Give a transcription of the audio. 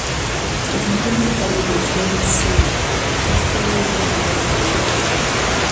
Los mechones de cabello suelen ser distribuido de manera desigual.